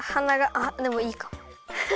あっでもいいかも。